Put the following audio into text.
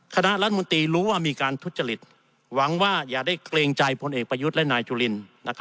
คณะรัฐมนตรีรู้ว่ามีการทุจริตหวังว่าอย่าได้เกรงใจพลเอกประยุทธ์และนายจุลิน